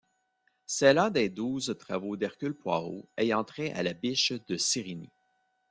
C'est la des douze travaux d'Hercule Poirot, ayant trait à la Biche de Cérynie.